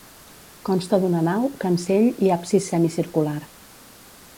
Consta d'una nau, cancell i absis semicircular.